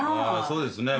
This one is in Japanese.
そうですね。